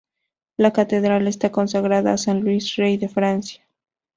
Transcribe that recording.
La catedral está consagrada a San Luis, Rey de Francia.